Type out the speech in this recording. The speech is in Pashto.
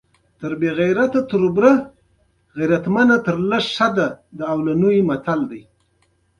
او په خپله پرمختګ وکړه.